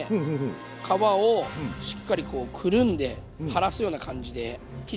皮をしっかりこうくるんで張らすような感じできれいな形にします。